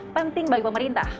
penting bagi pemerintah